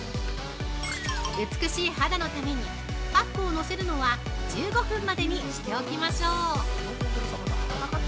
美しい肌のためにパックをのせるのは１５分までにしておきましょう。